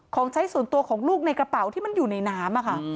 ของใช้ส่วนตัวของลูกในกระเป๋าที่มันอยู่ในน้ำ